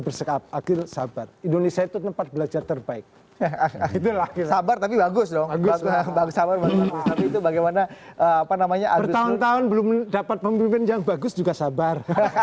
pertahun tahun belum mendapat pemimpin yang bagus juga sabar